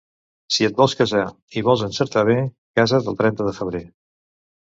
Si et vols casar i vols encertar bé, casa't el trenta de febrer.